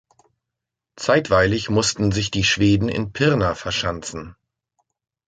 Zeitweilig mussten sich die Schweden in Pirna verschanzen.